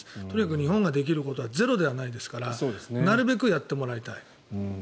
とにかく日本ができることはゼロではないですからなるべくやってもらいたい。